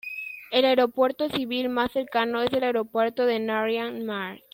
El aeropuerto civil más cercano es el aeropuerto de Narian-Mar.